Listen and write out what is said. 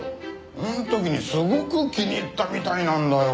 あの時にすごく気に入ったみたいなんだよ。